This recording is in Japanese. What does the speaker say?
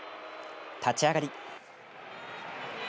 立ち上がり。